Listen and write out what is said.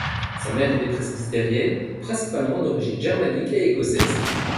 Sa mère était presbytérienne, principalement d'origine germanique et écossaise.